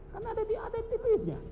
kan ada di attv nya